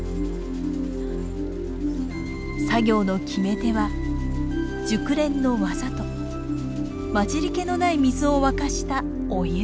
作業の決め手は熟練の技と混じりけのない水を沸かしたお湯。